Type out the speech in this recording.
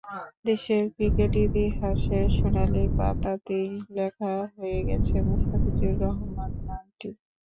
দেশের ক্রিকেট ইতিহাসের সোনালি পাতাতেই লেখা হয়ে গেছে মুস্তাফিজুর রহমান নামটি।